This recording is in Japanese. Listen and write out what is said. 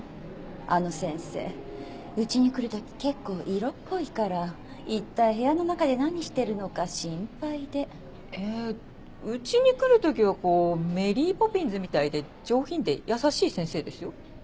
あの先生家に来る時結構色っぽいから一体部屋の中で何してるのか心配で。え家に来る時はこうメリー・ポピンズみたいで上品で優しい先生ですよ。